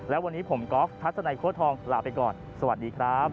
และวันนี้ผมกอล์ฟทัศนัยโค้ดทองลาไปก่อนสวัสดีครับ